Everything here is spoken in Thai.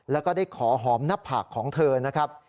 แล้วก็ได้ขอหอมหน้าผากของเธอนะครับ